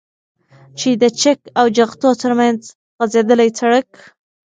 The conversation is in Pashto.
چې د چك او جغتو ترمنځ غځېدلى سړك